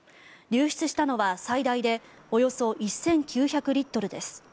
流出したのは最大でおよそ１９００リットルです。